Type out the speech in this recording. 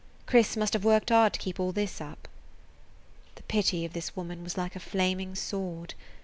Chris must have worked hard to keep all this up." The pity of this woman was like a flaming sword.